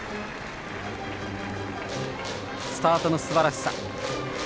スタートのすばらしさ。